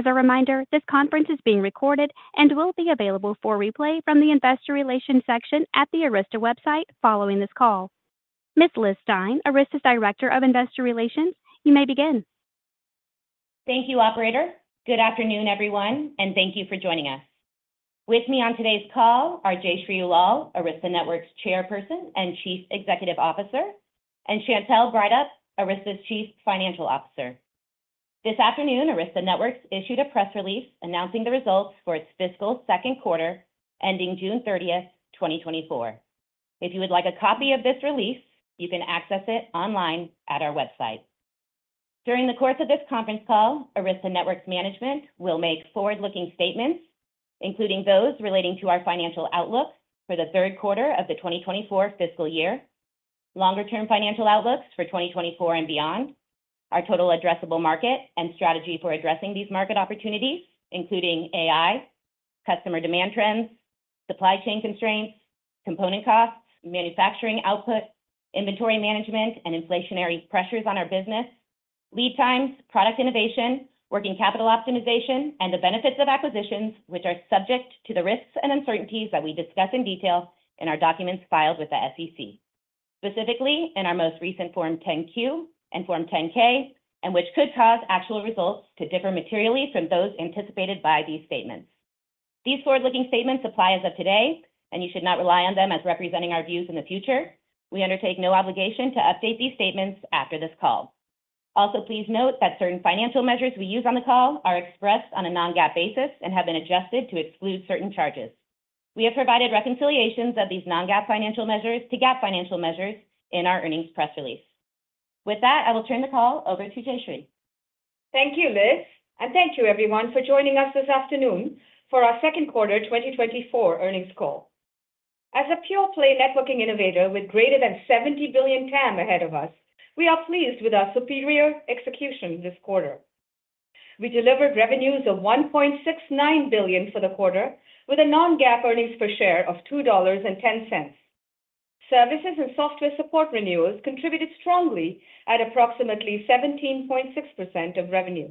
As a reminder, this conference is being recorded and will be available for replay from the Investor Relations section at the Arista website following this call. Ms. Liz Stine, Arista's Director of Investor Relations, you may begin. Thank you, operator. Good afternoon, everyone, and thank you for joining us. With me on today's call are Jayshree Ullal, Arista Networks Chairperson and Chief Executive Officer, and Chantelle Breithaupt, Arista's Chief Financial Officer. This afternoon, Arista Networks issued a press release announcing the results for its fiscal second quarter, ending June thirtieth, 2024. If you would like a copy of this release, you c an access it online at our website. During the course of this conference call, Arista Networks management will make forward-looking statements, including those relating to our financial outlook for the third quarter of the 2024 fiscal year, longer-term financial outlooks for 2024 and beyond, our total addressable market and strategy for addressing these market opportunities, including AI, customer demand trends, supply chain constraints, component costs, manufacturing output, inventory management, and inflationary pressures on our business, lead times, product innovation, working capital optimization, and the benefits of acquisitions, which are subject to the risks and uncertainties that we discuss in detail in our documents filed with the SEC. Specifically, in our most recent Form 10-Q and Form 10-K, and which could cause actual results to differ materially from those anticipated by these statements. These forward-looking statements apply as of today, and you should not rely on them as representing our views in the future. We undertake no obligation to update these statements after this call. Also, please note that certain financial measures we use on the call are expressed on a non-GAAP basis and have been adjusted to exclude certain charges. We have provided reconciliations of these non-GAAP financial measures to GAAP financial measures in our earnings press release. With that, I will turn the call over to Jayshree. Thank you, Liz, and thank you everyone for joining us this afternoon for our second quarter 2024 earnings call. As a pure-play networking innovator with greater than $70 billion TAM ahead of us, we are pleased with our superior execution this quarter. We delivered revenues of $1.69 billion for the quarter, with a non-GAAP earnings per share of $2.10. Services and software support renewals contributed strongly at approximately 17.6% of revenue.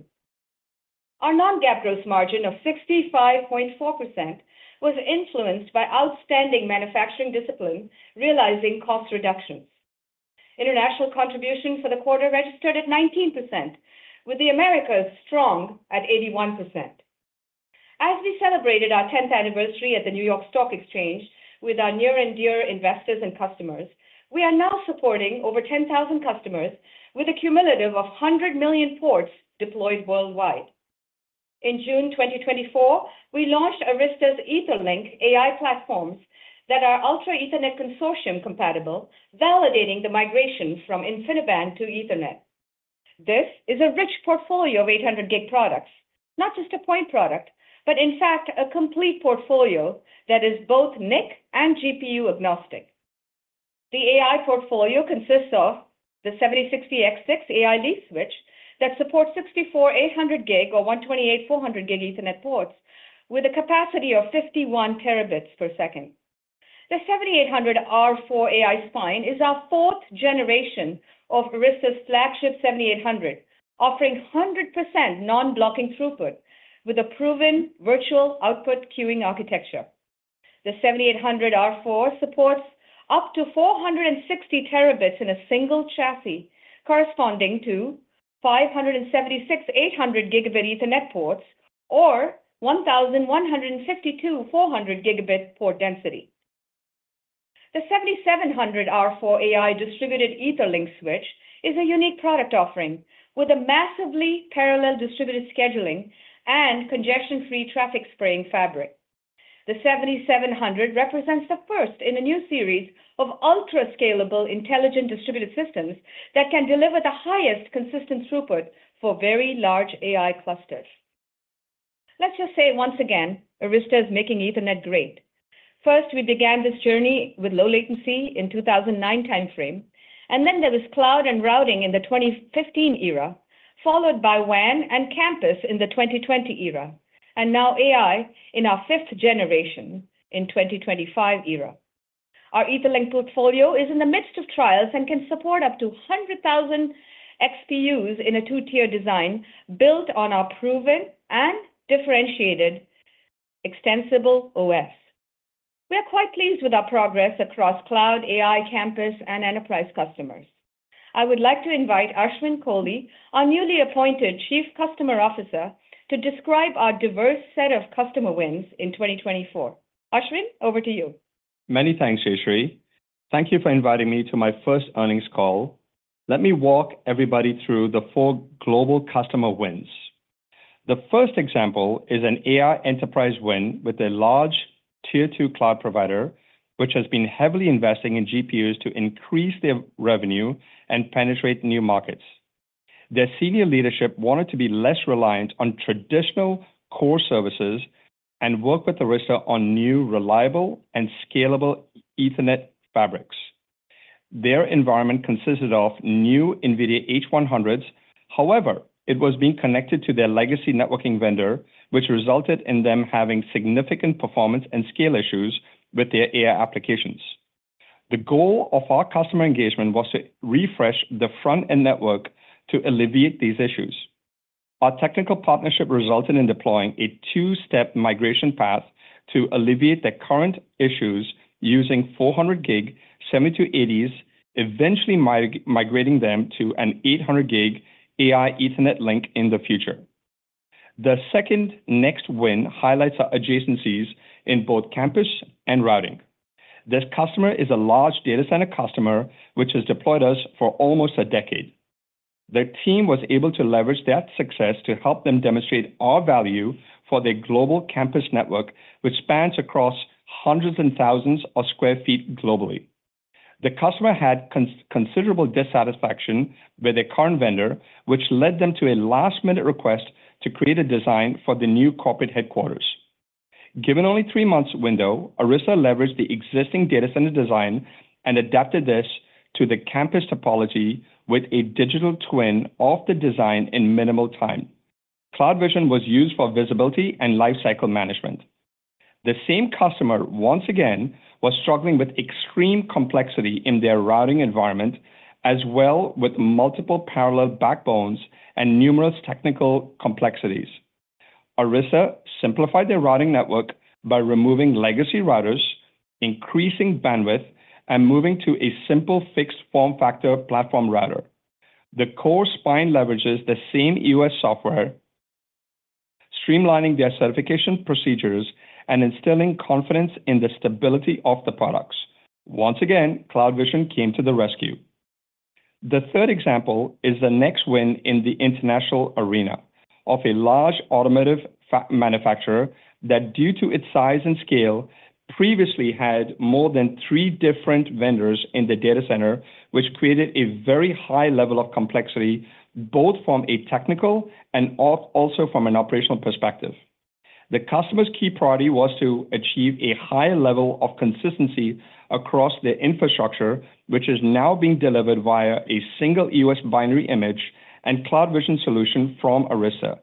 Our non-GAAP gross margin of 65.4% was influenced by outstanding manufacturing discipline, realizing cost reductions. International contribution for the quarter registered at 19%, with the Americas strong at 81%. As we celebrated our 10th anniversary at the New York Stock Exchange with our near and dear investors and customers, we are now supporting over 10,000 customers with a cumulative of 100 million ports deployed worldwide. In June 2024, we launched Arista's EtherLink AI platforms that are Ultra Ethernet Consortium compatible, validating the migration from InfiniBand to Ethernet. This is a rich portfolio of 800 Gig products. Not just a point product, but in fact, a complete portfolio that is both NIC and GPU agnostic. The AI portfolio consists of the 7060X6 AI leaf switch that supports 64 800 Gig or 128 400 Gig Ethernet ports with a capacity of 51 terabits per second. The 7800R4 AI spine is our fourth generation of Arista's flagship 7800, offering 100% non-blocking throughput with a proven virtual output queuing architecture. The 7800R4 supports up to 460 terabits in a single chassis, corresponding to 576 800 gigabit Ethernet ports or 1,152 400 gigabit port density. The 7700R4 AI distributed EtherLink switch is a unique product offering with a massively parallel distributed scheduling and congestion-free traffic spraying fabric. The 7700 represents the first in a new series of ultra-scalable intelligent distributed systems that can deliver the highest consistent throughput for very large AI clusters. Let's just say once again, Arista is making Ethernet great. First, we began this journey with low latency in 2009 timeframe, and then there was cloud and routing in the 2015 era, followed by WAN and campus in the 2020 era, and now AI in our fifth generation in 2025 era. Our EtherLink portfolio is in the midst of trials and can support up to 100,000 XPUs in a two-tier design built on our proven and differentiated extensible OS. We are quite pleased with our progress across cloud, AI, campus, and enterprise customers. I would like to invite Ashwin Kohli, our newly appointed Chief Customer Officer, to describe our diverse set of customer wins in 2024. Ashwin, over to you. Many thanks, Jayshree. Thank you for inviting me to my first earnings call. Let me walk everybody through the four global customer wins. The first example is an AI enterprise win with a large tier two cloud provider, which has been heavily investing in GPUs to increase their revenue and penetrate new markets. Their senior leadership wanted to be less reliant on traditional core services and work with Arista on new, reliable, and scalable Ethernet fabrics. Their environment consisted of new NVIDIA H100s. However, it was being connected to their legacy networking vendor, which resulted in them having significant performance and scale issues with their AI applications. The goal of our customer engagement was to refresh the front-end network to alleviate these issues. Our technical partnership resulted in deploying a two-step migration path to alleviate the current issues using 400 Gig, 7280 Series, eventually migrating them to an 800 Gig AI Ethernet link in the future. The second next win highlights our adjacencies in both campus and routing. This customer is a large data center customer, which has deployed us for almost a decade. Their team was able to leverage that success to help them demonstrate our value for their global campus network, which spans across hundreds and thousands of square feet globally. The customer had considerable dissatisfaction with their current vendor, which led them to a last-minute request to create a design for the new corporate headquarters. Given only 3 months window, Arista leveraged the existing data center design and adapted this to the campus topology with a Digital Twin of the design in minimal time. CloudVision was used for visibility and lifecycle management. The same customer, once again, was struggling with extreme complexity in their routing environment, as well with multiple parallel backbones and numerous technical complexities. Arista simplified their routing network by removing legacy routers, increasing bandwidth, and moving to a simple fixed form factor platform router. The core spine leverages the same EOS software, streamlining their certification procedures and instilling confidence in the stability of the products. Once again, CloudVision came to the rescue. The third example is the next win in the international arena of a large automotive manufacturer, that due to its size and scale, previously had more than three different vendors in the data center, which created a very high level of complexity, both from a technical and also from an operational perspective. The customer's key priority was to achieve a higher level of consistency across the infrastructure, which is now being delivered via a single EOS binary image and CloudVision solution from Arista.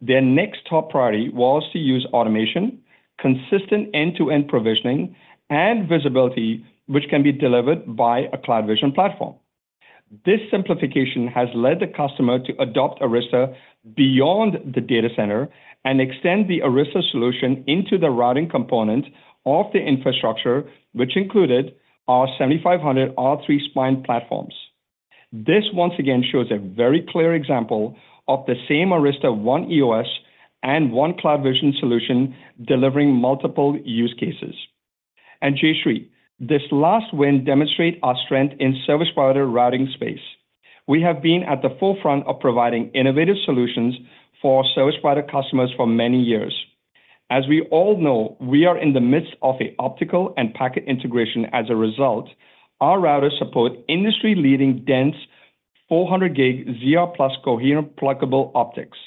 Their next top priority was to use automation, consistent end-to-end provisioning, and visibility, which can be delivered by a CloudVision platform. This simplification has led the customer to adopt Arista beyond the data center and extend the Arista solution into the routing component of the infrastructure, which included our 7500R3 spine platforms. This once again shows a very clear example of the same Arista, one EOS and one CloudVision solution delivering multiple use cases. And Jayshree, this last win demonstrate our strength in service provider routing space. We have been at the forefront of providing innovative solutions for service provider customers for many years. As we all know, we are in the midst of an optical and packet integration. As a result, our routers support industry-leading dense 400 Gig ZR+ coherent pluggable optics.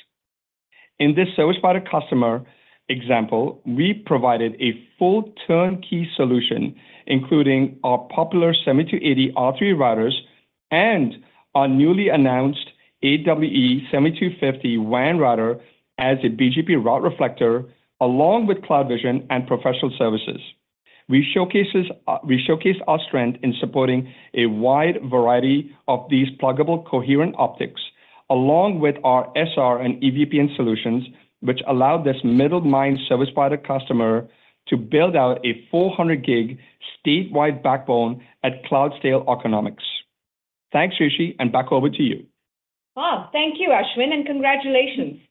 In this service provider customer example, we provided a full turnkey solution, including our popular 7280R3 routers and our newly announced 5000 Series WAN router as a BGP route reflector, along with CloudVision and professional services. We showcase our strength in supporting a wide variety of these pluggable coherent optics, along with our SR and EVPN solutions, which allow this middle mile service provider customer to build out a 400 Gig statewide backbone at cloud-scale economics. Thanks, Jayshree, and back over to you. Wow. Thank you, Ashwin, and congratulations.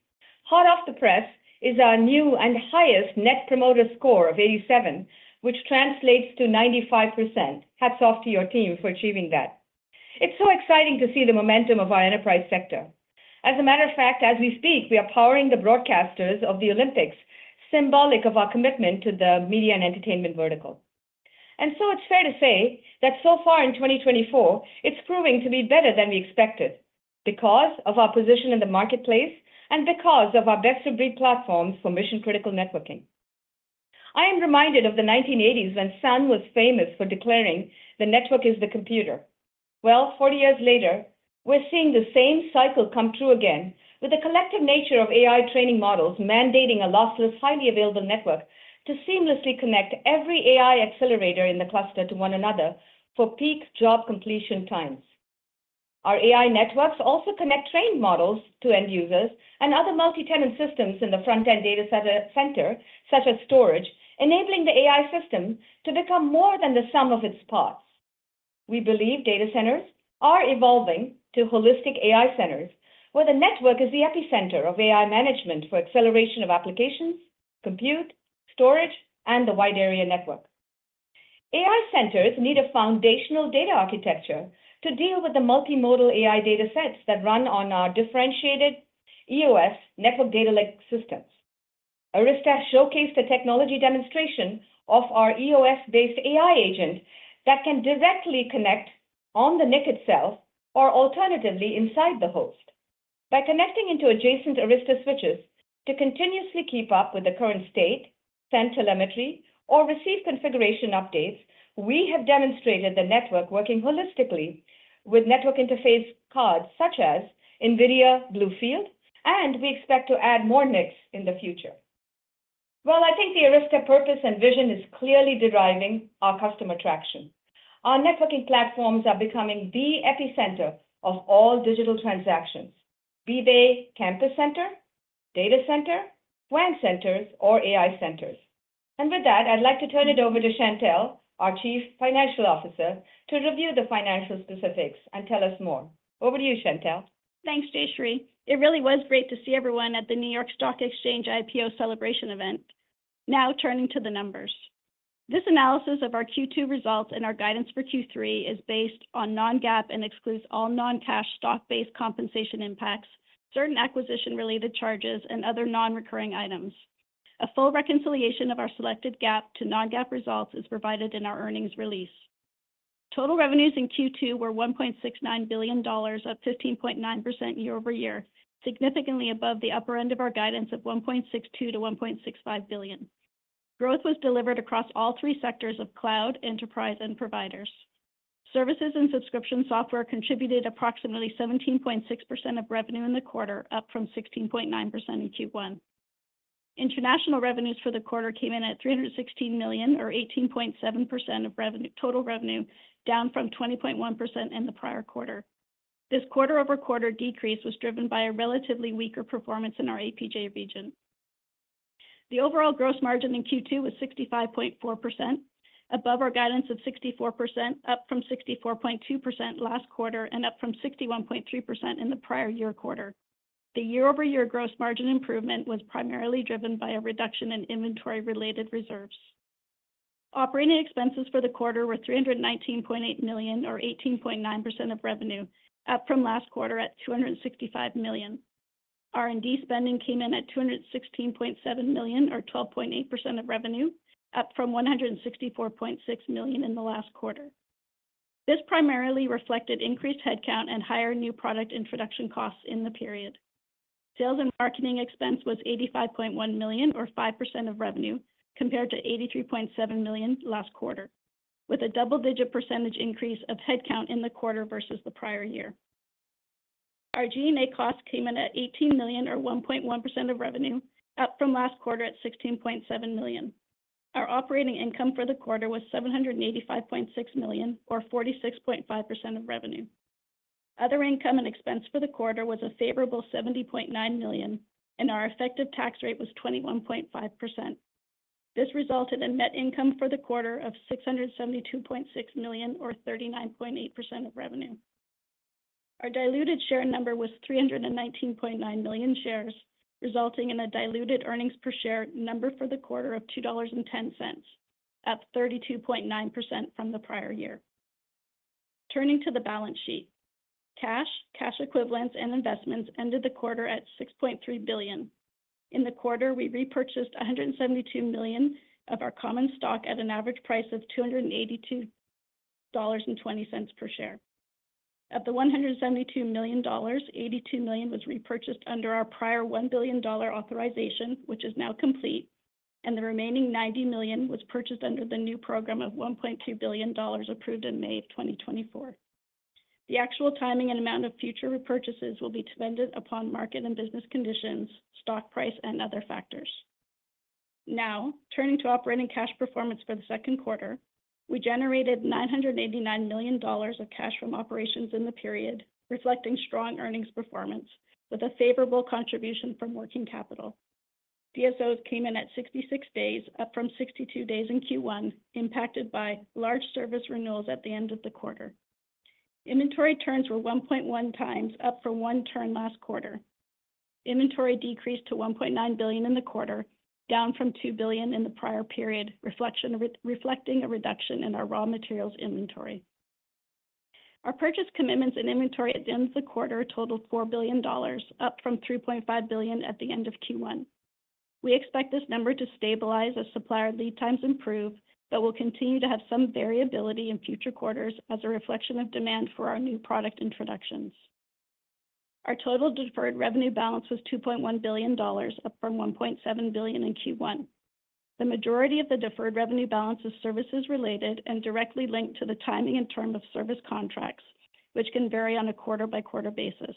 Hot off the press is our new and highest Net Promoter Score of 87, which translates to 95%. Hats off to your team for achieving that. It's so exciting to see the momentum of our enterprise sector. As a matter of fact, as we speak, we are powering the broadcasters of the Olympics, symbolic of our commitment to the media and entertainment vertical. And so it's fair to say that so far in 2024, it's proving to be better than we expected because of our position in the marketplace and because of our best-of-breed platforms for mission-critical networking. I am reminded of the 1980s when Sun was famous for declaring, "The network is the computer." Well, 40 years later, we're seeing the same cycle come through again, with the collective nature of AI training models mandating a lossless, highly available network to seamlessly connect every AI accelerator in the cluster to one another for peak job completion times. Our AI networks also connect trained models to end users and other multi-tenant systems in the front-end data center, such as storage, enabling the AI system to become more than the sum of its parts. We believe data centers are evolving to holistic AI centers, where the network is the epicenter of AI management for acceleration of applications, compute, storage, and the wide area network. AI centers need a foundational data architecture to deal with the multimodal AI data sets that run on our differentiated EOS network data lake systems. Arista showcased a technology demonstration of our EOS-based AI agent that can directly connect on the NIC itself, or alternatively, inside the host. By connecting into adjacent Arista switches to continuously keep up with the current state, send telemetry, or receive configuration updates, we have demonstrated the network working holistically with network interface cards such as NVIDIA BlueField, and we expect to add more NICs in the future. Well, I think the Arista purpose and vision is clearly deriving our customer traction. Our networking platforms are becoming the epicenter of all digital transactions, be they campus center, data center, WAN centers, or AI centers. With that, I'd like to turn it over to Chantelle, our Chief Financial Officer, to review the financial specifics and tell us more. Over to you, Chantelle. Thanks, Jayshree. It really was great to see everyone at the New York Stock Exchange IPO celebration event. Now turning to the numbers. This analysis of our Q2 results and our guidance for Q3 is based on non-GAAP and excludes all non-cash stock-based compensation impacts, certain acquisition-related charges, and other non-recurring items. A full reconciliation of our selected GAAP to non-GAAP results is provided in our earnings release. Total revenues in Q2 were $1.69 billion, up 15.9% year-over-year, significantly above the upper end of our guidance of $1.62 billion-$1.65 billion. Growth was delivered across all three sectors of cloud, enterprise, and providers. Services and subscription software contributed approximately 17.6% of revenue in the quarter, up from 16.9% in Q1. International revenues for the quarter came in at $316 million or 18.7% of revenue, total revenue, down from 20.1% in the prior quarter. This quarter-over-quarter decrease was driven by a relatively weaker performance in our APJ region. The overall gross margin in Q2 was 65.4%, above our guidance of 64%, up from 64.2% last quarter and up from 61.3% in the prior year quarter. The year-over-year gross margin improvement was primarily driven by a reduction in inventory-related reserves. Operating expenses for the quarter were $319.8 million, or 18.9% of revenue, up from last quarter at $265 million. R&D spending came in at $216.7 million, or 12.8% of revenue, up from $164.6 million in the last quarter. This primarily reflected increased headcount and higher new product introduction costs in the period. Sales and marketing expense was $85.1 million, or 5% of revenue, compared to $83.7 million last quarter, with a double-digit percentage increase of headcount in the quarter versus the prior year. Our G&A costs came in at $18 million, or 1.1% of revenue, up from last quarter at $16.7 million. Our operating income for the quarter was $785.6 million, or 46.5% of revenue. Other income and expense for the quarter was a favorable $70.9 million, and our effective tax rate was 21.5%. This resulted in net income for the quarter of $672.6 million or 39.8% of revenue. Our diluted share number was 319.9 million shares, resulting in a diluted earnings per share number for the quarter of $2.10, up 32.9% from the prior year. Turning to the balance sheet, cash, cash equivalents, and investments ended the quarter at $6.3 billion. In the quarter, we repurchased $172 million of our common stock at an average price of $282.20 per share. Of the $172 million, $82 million was repurchased under our prior $1 billion authorization, which is now complete, and the remaining $90 million was purchased under the new program of $1.2 billion approved in May 2024. The actual timing and amount of future repurchases will be dependent upon market and business conditions, stock price, and other factors. Now, turning to operating cash performance for the second quarter, we generated $989 million of cash from operations in the period, reflecting strong earnings performance with a favorable contribution from working capital. DSOs came in at 66 days, up from 62 days in Q1, impacted by large service renewals at the end of the quarter. Inventory turns were 1.1 times, up from 1 turn last quarter. Inventory decreased to $1.9 billion in the quarter, down from $2 billion in the prior period, reflecting a reduction in our raw materials inventory. Our purchase commitments and inventory at the end of the quarter totaled $4 billion, up from $3.5 billion at the end of Q1. We expect this number to stabilize as supplier lead times improve, but we'll continue to have some variability in future quarters as a reflection of demand for our new product introductions. Our total deferred revenue balance was $2.1 billion, up from $1.7 billion in Q1. The majority of the deferred revenue balance is services related and directly linked to the timing and term of service contracts, which can vary on a quarter-by-quarter basis.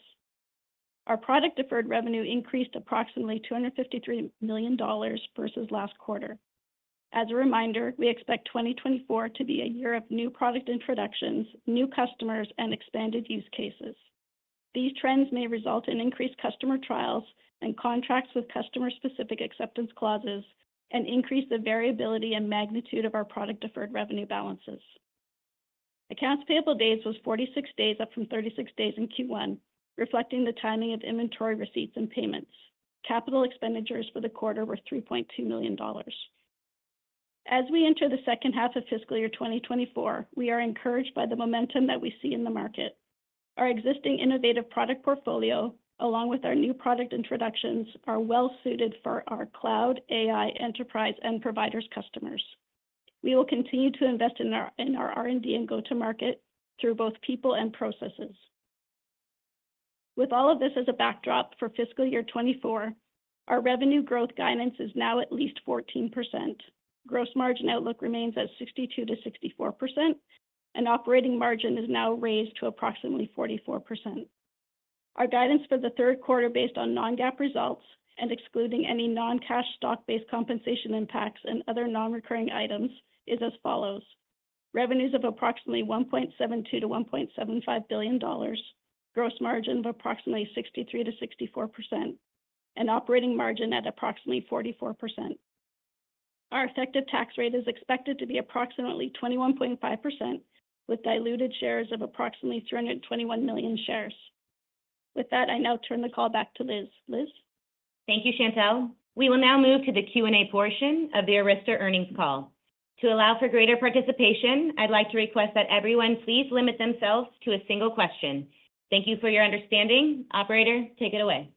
Our product deferred revenue increased approximately $253 million versus last quarter. As a reminder, we expect 2024 to be a year of new product introductions, new customers, and expanded use cases. These trends may result in increased customer trials and contracts with customer-specific acceptance clauses and increase the variability and magnitude of our product deferred revenue balances. Accounts payable days was 46 days, up from 36 days in Q1, reflecting the timing of inventory receipts and payments. Capital expenditures for the quarter were $3.2 million. As we enter the second half of fiscal year 2024, we are encouraged by the momentum that we see in the market. Our existing innovative product portfolio, along with our new product introductions, are well suited for our cloud, AI, enterprise, and providers customers. We will continue to invest in our, in our R&D and go-to-market through both people and processes. With all of this as a backdrop for fiscal year 2024, our revenue growth guidance is now at least 14%. Gross margin outlook remains at 62%-64%, and operating margin is now raised to approximately 44%. Our guidance for the third quarter, based on non-GAAP results and excluding any non-cash stock-based compensation impacts and other non-recurring items, is as follows: revenues of approximately $1.72 billion-$1.75 billion, gross margin of approximately 63%-64%, and operating margin at approximately 44%. Our effective tax rate is expected to be approximately 21.5%, with diluted shares of approximately 321 million shares. With that, I now turn the call back to Liz. Liz? Thank you, Chantelle. We will now move to the Q&A portion of the Arista earnings call. To allow for greater participation, I'd like to request that everyone please limit themselves to a single question. Thank you for your understanding. Operator, take it away.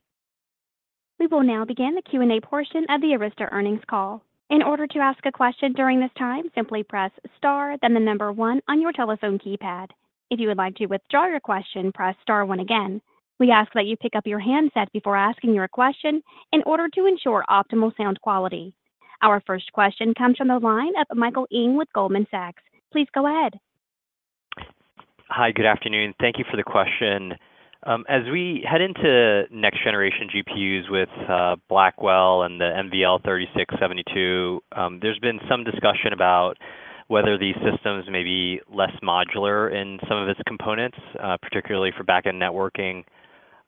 We will now begin the Q&A portion of the Arista earnings call. In order to ask a question during this time, simply press star, then the number 1 on your telephone keypad. If you would like to withdraw your question, press star 1 again. We ask that you pick up your handset before asking your question in order to ensure optimal sound quality. Our first question comes from the line of Michael Ng with Goldman Sachs. Please go ahead. Hi, good afternoon. Thank you for the question. As we head into next generation GPUs with, Blackwell and the NVL36/NVL72, there's been some discussion about whether these systems may be less modular in some of its components, particularly for back-end networking.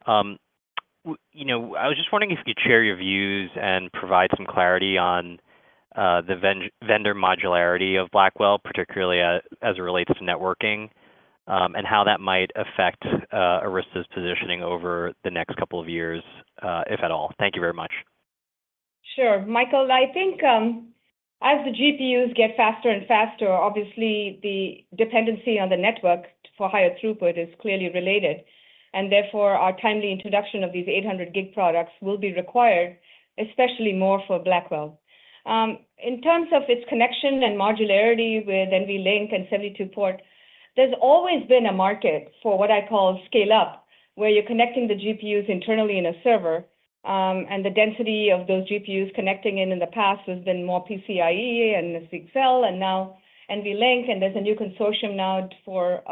You know, I was just wondering if you could share your views and provide some clarity on, the vendor modularity of Blackwell, particularly as it relates to networking, and how that might affect, Arista's positioning over the next couple of years, if at all. Thank you very much. Sure. Michael, I think, as the GPUs get faster and faster, obviously, the dependency on the network for higher throughput is clearly related, and therefore our timely introduction of these 800 Gig products will be required, especially more for Blackwell. In terms of its connection and modularity with NVLink and 72-port, there's always been a market for what I call scale-up, where you're connecting the GPUs internally in a server, and the density of those GPUs connecting in in the past has been more PCIe and CXL and now NVLink, and there's a new consortium now for,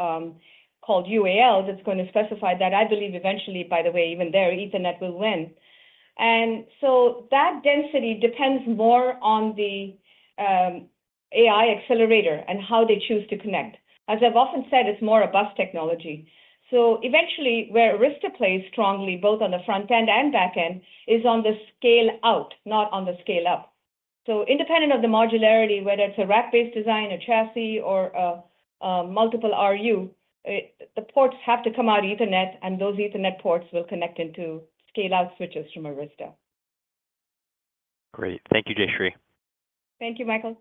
called UALink, that's gonna specify that. I believe eventually, by the way, even there, Ethernet will win. And so that density depends more on the, AI accelerator and how they choose to connect. As I've often said, it's more a bus technology. So eventually, where Arista plays strongly, both on the front end and back end, is on the scale-out, not on the scale-up. So independent of the modularity, whether it's a rack-based design, a chassis, or a multiple RU, the ports have to come out of Ethernet, and those Ethernet ports will connect into scale-out switches from Arista. Great. Thank you, Jayshree. Thank you, Michael.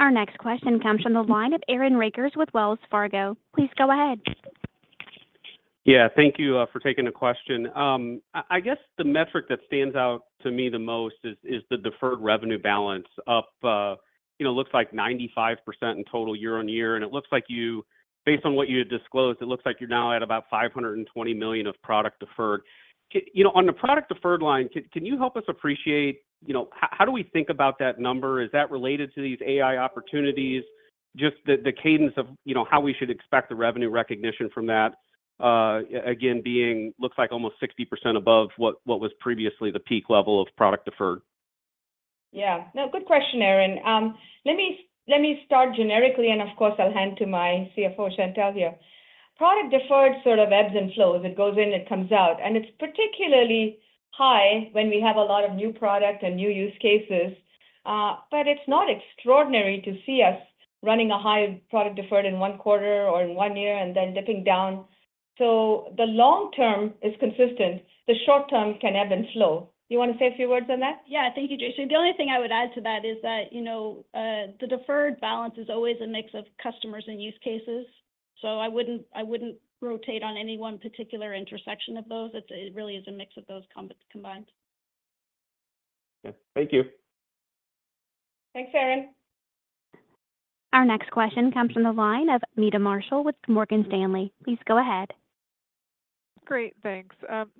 Our next question comes from the line of Aaron Rakers with Wells Fargo. Please go ahead. Yeah, thank you for taking the question. I guess the metric that stands out to me the most is the deferred revenue balance up, you know, looks like 95% in total year-over-year, and it looks like you, based on what you had disclosed, it looks like you're now at about $520 million of product deferred. You know, on the product deferred line, can you help us appreciate, you know, how do we think about that number? Is that related to these AI opportunities? Just the cadence of, you know, how we should expect the revenue recognition from that, again, being looks like almost 60% above what was previously the peak level of product deferred. Yeah. No, good question, Aaron. Let me, let me start generically, and of course, I'll hand to my CFO, Chantelle here. Product deferred sort of ebbs and flows. It goes in, it comes out, and it's particularly high when we have a lot of new product and new use cases. But it's not extraordinary to see us running a high product deferred in one quarter or in one year and then dipping down. So the long term is consistent, the short term can ebb and flow. You want to say a few words on that? Yeah. Thank you, Jayshree. The only thing I would add to that is that, you know, the deferred balance is always a mix of customers and use cases, so I wouldn't rotate on any one particular intersection of those. It's it really is a mix of those combined. Okay. Thank you. Thanks, Aaron. Our next question comes from the line of Meta Marshall with Morgan Stanley. Please go ahead. Great. Thanks.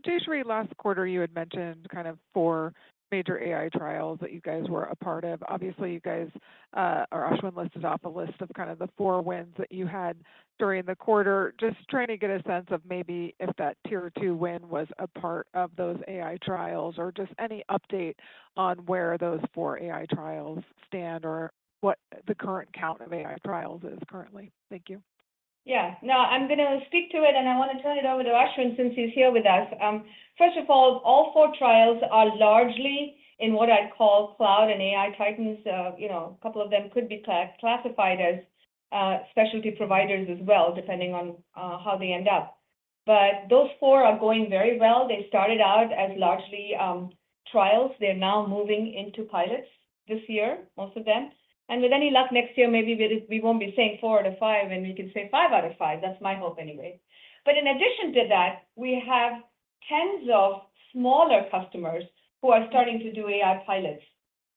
Jayshree, last quarter you had mentioned kind of four major AI trials that you guys were a part of. Obviously, you guys, or Ashwin listed off a list of kind of the four wins that you had during the quarter. Just trying to get a sense of maybe if that tier two win was a part of those AI trials, or just any update on where those four AI trials stand, or what the current count of AI trials is currently. Thank you. Yeah. No, I'm gonna speak to it, and I want to turn it over to Ashwin since he's here with us. First of all, all 4 trials are largely in what I'd call cloud and AI titans. You know, a couple of them could be classified as specialty providers as well, depending on how they end up. But those 4 are going very well. They started out as largely trials. They're now moving into pilots this year, most of them, and with any luck, next year, maybe we won't be saying 4 out of 5, and we can say 5 out of 5. That's my hope anyway. But in addition to that, we have tens of smaller customers who are starting to do AI pilots.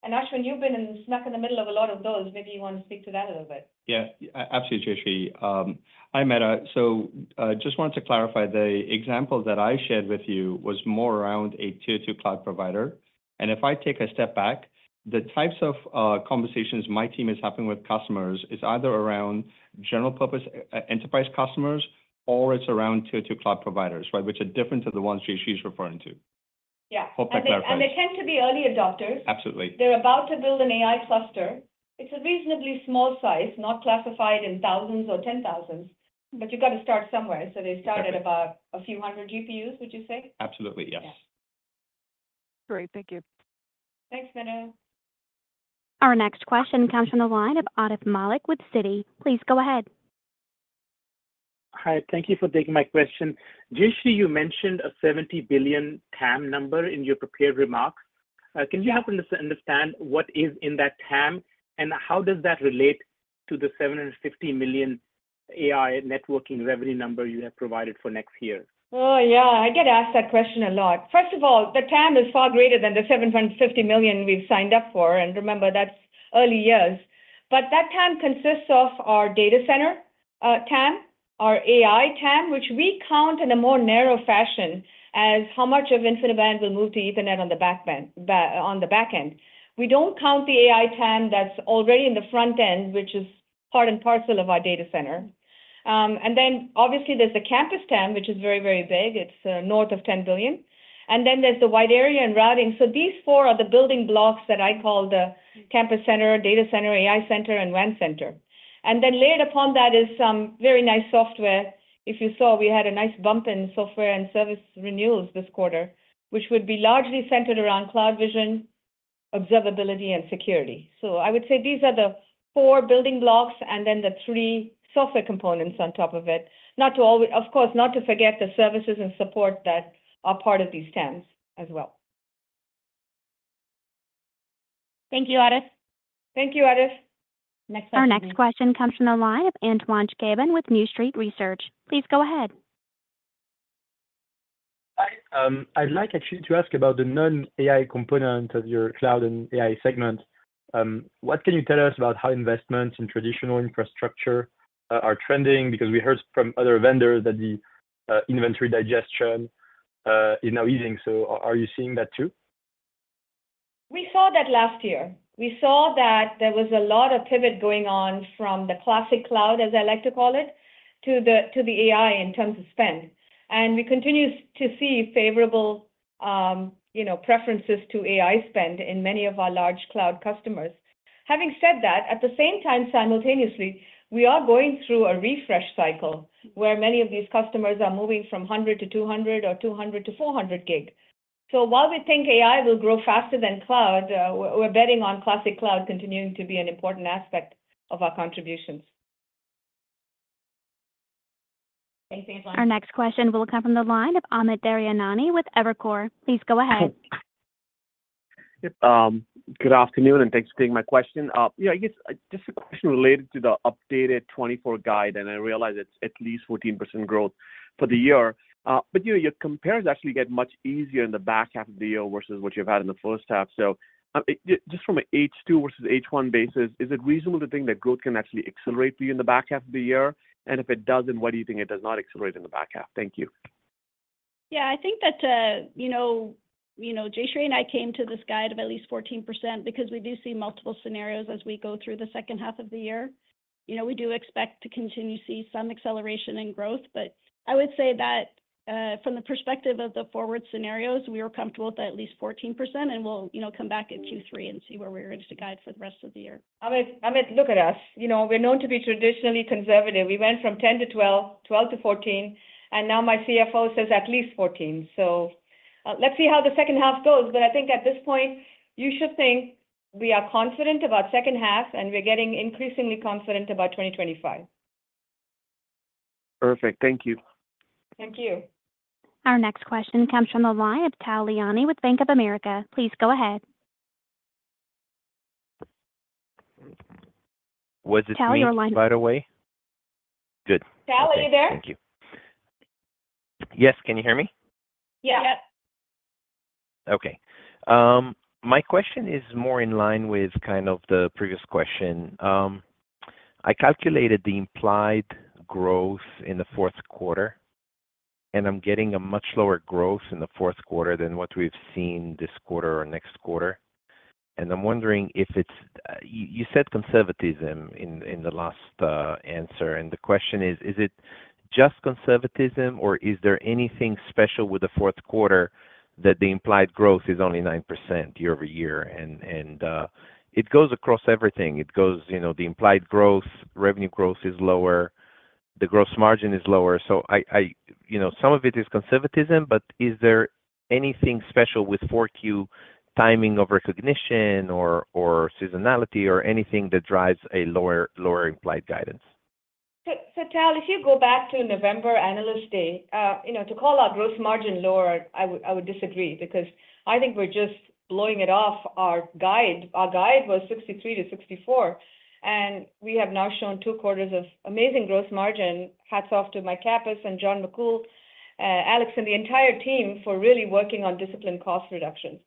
And Ashwin, you've been in the middle of a lot of those. Maybe you want to speak to that a little bit. Yeah. Absolutely, Jayshree. Hi, Meta. So, just wanted to clarify, the example that I shared with you was more around a tier two cloud provider, and if I take a step back, the types of conversations my team is having with customers is either around general purpose enterprise customers or it's around tier two cloud providers, right? Which are different to the ones Jayshree is referring to.... Yeah, and they, and they tend to be early adopters. Absolutely. They're about to build an AI cluster. It's a reasonably small size, not classified in thousands or 10,000s, but you've got to start somewhere. Exactly. They started about a few hundred GPUs, would you say? Absolutely, yes. Yeah. Great. Thank you. Thanks, Meta. Our next question comes from the line of Atif Malik with Citi. Please go ahead. Hi, thank you for taking my question. Jayshree, you mentioned a $70 billion TAM number in your prepared remarks. Can you help us understand what is in that TAM, and how does that relate to the $750 million AI networking revenue number you have provided for next year? Oh, yeah, I get asked that question a lot. First of all, the TAM is far greater than the $750 million we've signed up for, and remember, that's early years. But that TAM consists of our data center TAM, our AI TAM, which we count in a more narrow fashion as how much of InfiniBand will move to Ethernet on the back end. We don't count the AI TAM that's already in the front end, which is part and parcel of our data center. And then obviously, there's the campus TAM, which is very, very big. It's north of $10 billion. And then there's the wide area and routing. So these four are the building blocks that I call the campus center, data center, AI center, and WAN center. And then layered upon that is some very nice software. If you saw, we had a nice bump in software and service renewals this quarter, which would be largely centered around CloudVision, observability, and security. So I would say these are the four building blocks and then the three software components on top of it. Of course, not to forget the services and support that are part of these TAMs as well. Thank you, Atif. Thank you, Atif. Next question. Our next question comes from the line of Antoine Chkaiban with New Street Research. Please go ahead. Hi. I'd like actually to ask about the non-AI component of your cloud and AI segment. What can you tell us about how investments in traditional infrastructure are trending? Because we heard from other vendors that the inventory digestion is now easing. So are you seeing that too? We saw that last year. We saw that there was a lot of pivot going on from the classic cloud, as I like to call it, to the, to the AI in terms of spend. And we continue to see favorable, you know, preferences to AI spend in many of our large cloud customers. Having said that, at the same time, simultaneously, we are going through a refresh cycle where many of these customers are moving from 100-200 or 200-400 Gig. So while we think AI will grow faster than cloud, we're, we're betting on classic cloud continuing to be an important aspect of our contributions. Thanks, Antoine. Our next question will come from the line of Amit Daryanani with Evercore. Please go ahead. Hey. Yep, good afternoon, and thanks for taking my question. Yeah, I guess, just a question related to the updated 2024 guide, and I realize it's at least 14% growth for the year. But, you know, your compares actually get much easier in the back half of the year versus what you've had in the first half. So, just from a H2 versus H1 basis, is it reasonable to think that growth can actually accelerate for you in the back half of the year? And if it doesn't, why do you think it does not accelerate in the back half? Thank you. Yeah, I think that, you know, Jayshree and I came to this guide of at least 14% because we do see multiple scenarios as we go through the second half of the year. You know, we do expect to continue to see some acceleration in growth, but I would say that, from the perspective of the forward scenarios, we are comfortable with at least 14%, and we'll, you know, come back at Q3 and see where we are ready to guide for the rest of the year. Amit, Amit, look at us. You know, we're known to be traditionally conservative. We went from 10 to 12, 12 to 14, and now my CFO says at least 14. So, let's see how the second half goes, but I think at this point, you should think we are confident about second half, and we're getting increasingly confident about 2025. Perfect. Thank you. Thank you. Our next question comes from the line of Tal Liani with Bank of America. Please go ahead. Was this me- Tal, you're line- By the way? Good. Tal, are you there? Thank you. Yes, can you hear me? Yeah. Yep. Okay. My question is more in line with kind of the previous question. I calculated the implied growth in the fourth quarter, and I'm getting a much lower growth in the fourth quarter than what we've seen this quarter or next quarter. And I'm wondering if it's... You said conservatism in the last answer, and the question is: Is it just conservatism, or is there anything special with the fourth quarter that the implied growth is only 9% year-over-year? And it goes across everything. It goes, you know, the implied growth, revenue growth is lower, the gross margin is lower. So, you know, some of it is conservatism, but is there anything special with 4Q timing of recognition or seasonality or anything that drives a lower implied guidance? So, Tal, if you go back to November Analyst Day, you know, to call our gross margin lower, I would disagree, because I think we're just blowing it off our guide. Our guide was 63%-64%, and we have now shown two quarters of amazing gross margin. Hats off to Mike Kappus and John McCool, Alex and the entire team for really working on disciplined cost reductions.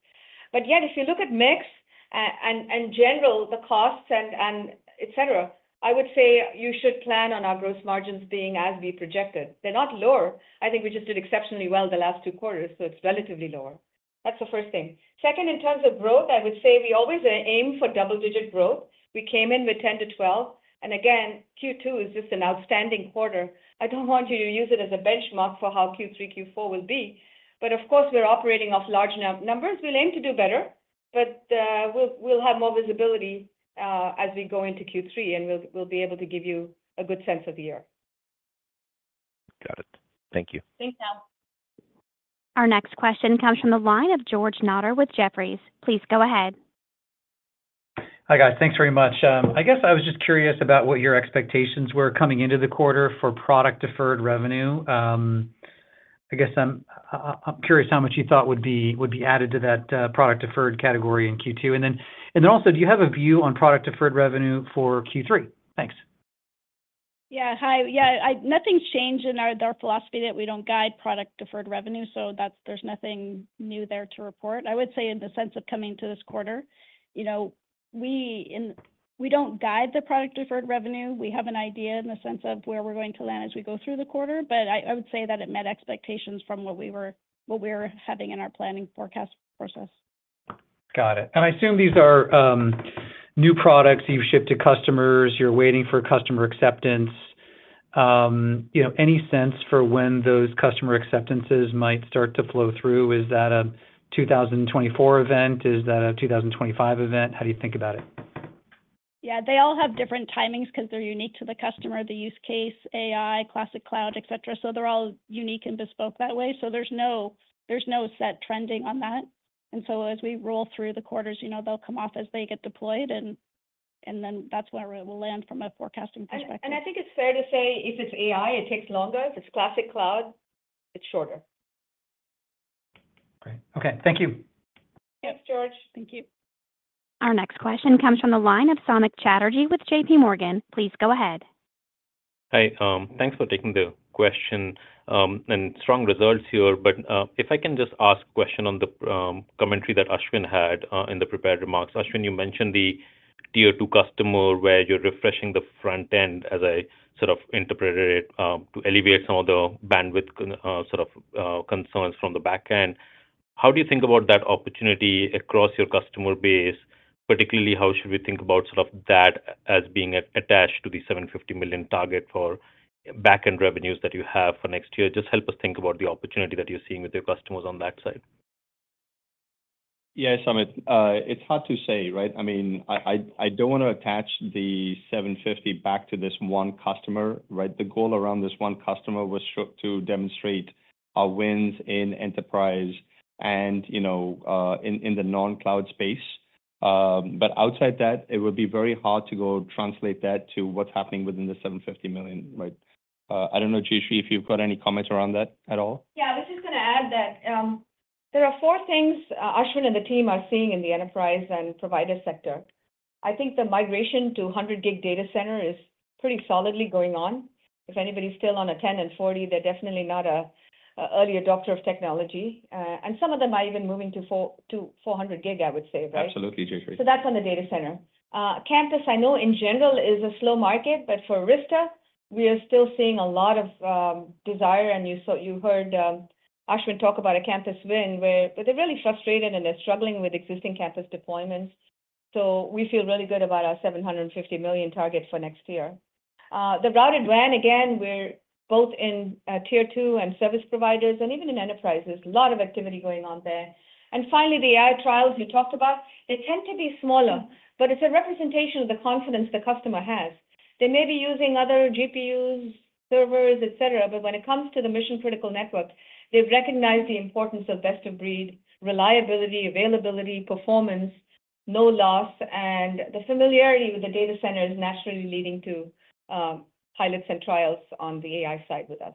But yet, if you look at mix and general, the costs and et cetera, I would say you should plan on our gross margins being as we projected. They're not lower. I think we just did exceptionally well the last two quarters, so it's relatively lower. That's the first thing. Second, in terms of growth, I would say we always aim for double-digit growth. We came in with 10-12, and again, Q2 is just an outstanding quarter. I don't want you to use it as a benchmark for how Q3, Q4 will be, but of course, we're operating off large numbers. We're aiming to do better, but we'll have more visibility as we go into Q3, and we'll be able to give you a good sense of the year. Got it. Thank you. Thanks, Hal. Our next question comes from the line of George Notter with Jefferies. Please go ahead. Hi, guys. Thanks very much. I guess I was just curious about what your expectations were coming into the quarter for product deferred revenue. I guess I'm curious how much you thought would be added to that product deferred category in Q2. And then also, do you have a view on product deferred revenue for Q3? Thanks. Yeah. Hi. Yeah, nothing's changed in our philosophy that we don't guide product deferred revenue, so that's, there's nothing new there to report. I would say in the sense of coming to this quarter, you know, we don't guide the product deferred revenue. We have an idea in the sense of where we're going to land as we go through the quarter, but I would say that it met expectations from what we were having in our planning forecast process. Got it. And I assume these are new products you've shipped to customers, you're waiting for customer acceptance. You know, any sense for when those customer acceptances might start to flow through? Is that a 2024 event? Is that a 2025 event? How do you think about it? Yeah, they all have different timings 'cause they're unique to the customer, the use case, AI, classic cloud, et cetera. So they're all unique and bespoke that way. So there's no, there's no set trending on that. And so as we roll through the quarters, you know, they'll come off as they get deployed, and, and then that's where it will land from a forecasting perspective. And I think it's fair to say if it's AI, it takes longer. If it's classic cloud, it's shorter. Great. Okay, thank you. Thanks, George. Thank you. Our next question comes from the line of Samik Chatterjee with JP Morgan. Please go ahead. Hi, thanks for taking the question, and strong results here. But if I can just ask a question on the commentary that Ashwin had in the prepared remarks. Ashwin, you mentioned the tier two customer, where you're refreshing the front end, as I sort of interpreted it, to alleviate some of the bandwidth sort of concerns from the back end. How do you think about that opportunity across your customer base? Particularly, how should we think about sort of that as being attached to the $750 million target for back-end revenues that you have for next year? Just help us think about the opportunity that you're seeing with your customers on that side. Yeah, Samik, it's hard to say, right? I mean, I don't want to attach the $750 back to this one customer, right? The goal around this one customer was to demonstrate our wins in enterprise and, you know, in the non-cloud space. But outside that, it would be very hard to go translate that to what's happening within the $750 million, right? I don't know, Jayshree, if you've got any comments around that at all. Yeah, I was just going to add that, there are four things, Ashwin and the team are seeing in the enterprise and provider sector. I think the migration to 100 Gig data center is pretty solidly going on. If anybody's still on a 10 and 40, they're definitely not an early adopter of technology, and some of them are even moving to 400- to 400 Gig, I would say, right? Absolutely, Jayshree. So that's on the data center. Campus, I know in general, is a slow market, but for Arista, we are still seeing a lot of desire, and you saw- you heard Ashwin talk about a campus win where... But they're really frustrated, and they're struggling with existing campus deployments. So we feel really good about our $750 million target for next year. The routed WAN, again, we're both in tier two and service providers and even in enterprises, a lot of activity going on there. And finally, the AI trials you talked about, they tend to be smaller, but it's a representation of the confidence the customer has. They may be using other GPUs, servers, et cetera, but when it comes to the mission-critical networks, they've recognized the importance of best of breed, reliability, availability, performance, no loss, and the familiarity with the data center is naturally leading to pilots and trials on the AI side with us.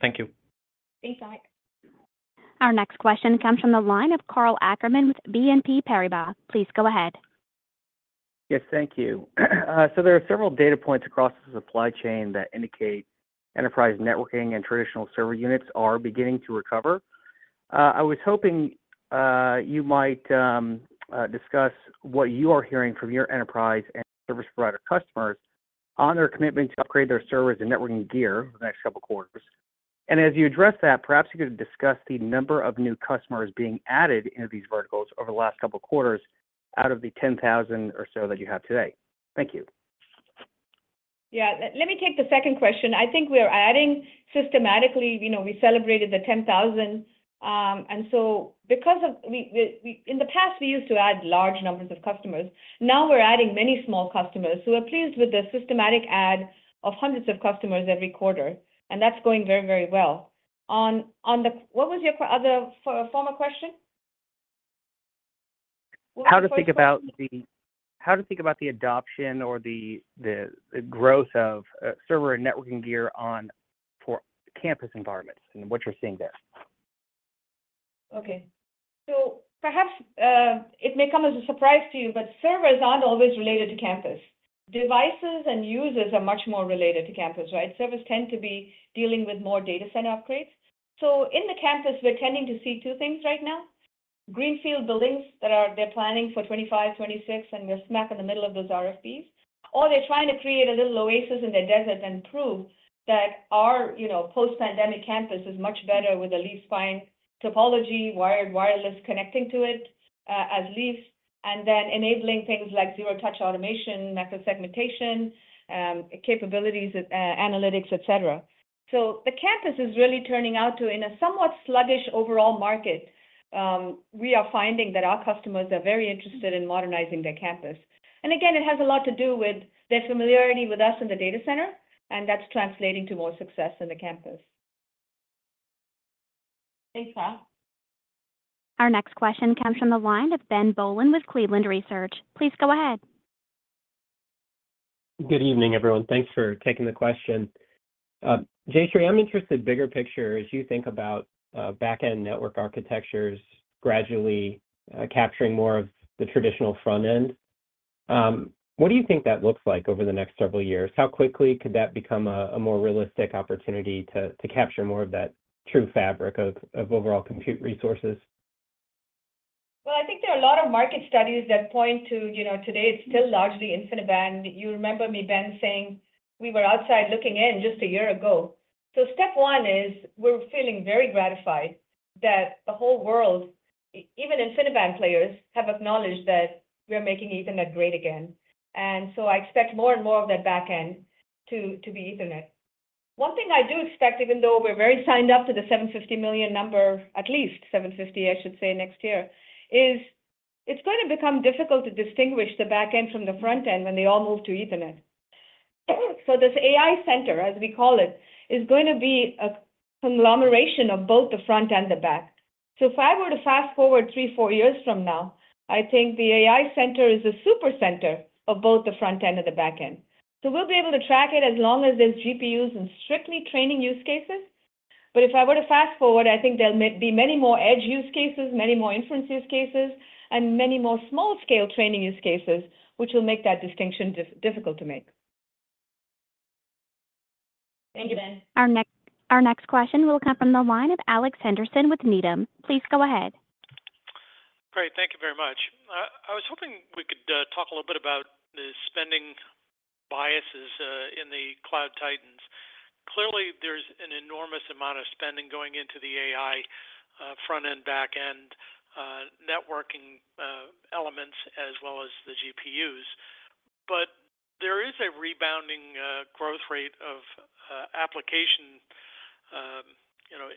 Thank you. Thanks, Samik. Our next question comes from the line of Karl Ackerman with BNP Paribas. Please go ahead. Yes, thank you. So there are several data points across the supply chain that indicate enterprise networking and traditional server units are beginning to recover. I was hoping you might discuss what you are hearing from your enterprise and service provider customers on their commitment to upgrade their servers and networking gear the next couple of quarters. And as you address that, perhaps you could discuss the number of new customers being added into these verticals over the last couple of quarters, out of the 10,000 or so that you have today. Thank you. Yeah, let me take the second question. I think we are adding systematically. You know, we celebrated the 10,000, and so because we in the past, we used to add large numbers of customers. Now we're adding many small customers, so we're pleased with the systematic add of hundreds of customers every quarter, and that's going very, very well. On the. What was your other question? How to think about the adoption or the growth of server and networking gear for campus environments and what you're seeing there? Okay. So perhaps it may come as a surprise to you, but servers aren't always related to campus. Devices and users are much more related to campus, right? Servers tend to be dealing with more data center upgrades. So in the campus, we're tending to see two things right now. Greenfield buildings that are—they're planning for 2025, 2026, and they're smack in the middle of those RFPs, or they're trying to create a little oasis in the desert and prove that our, you know, post-pandemic campus is much better with a leaf spine topology, wired, wireless, connecting to it as leaves, and then enabling things like zero-touch automation, Micro-Segmentation capabilities, analytics, et cetera. So the campus is really turning out to... In a somewhat sluggish overall market, we are finding that our customers are very interested in modernizing their campus. Again, it has a lot to do with their familiarity with us in the data center, and that's translating to more success in the campus. ... Thanks, Pat. Our next question comes from the line of Ben Bollin with Cleveland Research. Please go ahead. Good evening, everyone. Thanks for taking the question. Jayshree, I'm interested bigger picture, as you think about, back-end network architectures gradually, capturing more of the traditional front end. What do you think that looks like over the next several years? How quickly could that become a more realistic opportunity to capture more of that true fabric of overall compute resources? Well, I think there are a lot of market studies that point to, you know, today it's still largely InfiniBand. You remember me, Ben, saying we were outside looking in just a year ago. So step one is we're feeling very gratified that the whole world, even InfiniBand players, have acknowledged that we are making Ethernet great again. And so I expect more and more of that back end to be Ethernet. One thing I do expect, even though we're very signed up to the $750 million number, at least $750, I should say, next year, is it's going to become difficult to distinguish the back end from the front end when they all move to Ethernet. So this AI center, as we call it, is going to be a conglomeration of both the front and the back. So if I were to fast-forward 3-4 years from now, I think the AI center is a super center of both the front end and the back end. So we'll be able to track it as long as there's GPUs in strictly training use cases. But if I were to fast-forward, I think there'll be many more edge use cases, many more inference use cases, and many more small-scale training use cases, which will make that distinction difficult to make. Thank you, Ben. Our next question will come from the line of Alex Henderson with Needham. Please go ahead. Great. Thank you very much. I was hoping we could talk a little bit about the spending biases in the cloud titans. Clearly, there's an enormous amount of spending going into the AI front-end, back-end networking elements as well as the GPUs. But there is a rebounding growth rate of application, you know,